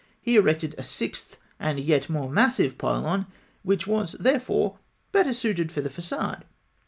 He erected a sixth and yet more massive pylon, which was, therefore, better suited for the façade.